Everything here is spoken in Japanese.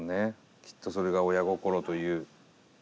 きっとそれが親心という。